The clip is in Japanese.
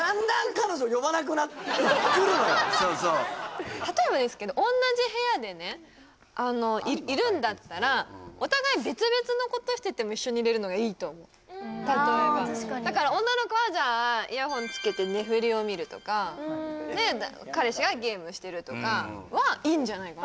うん間違いないそうそう例えばですけど同じ部屋でねあのいるんだったらお互い別々のことしてても一緒にいれるのがいいと思ううんうんだから女の子はじゃあイヤホンつけてネフリを見るとかで彼氏がゲームしてるとかはいいんじゃないかな？